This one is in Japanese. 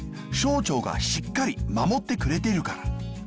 小腸がしっかり守ってくれてるから。